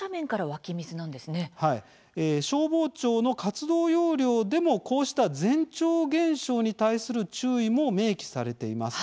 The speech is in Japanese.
消防庁の活動要領でもこうした前兆現象に対する注意も、明記されています。